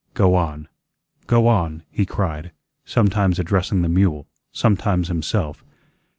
"Go on, go on," he cried, sometimes addressing the mule, sometimes himself.